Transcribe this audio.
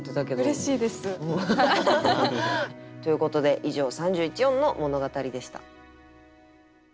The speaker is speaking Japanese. うれしいです。ということで以上「三十一音の物語」でした。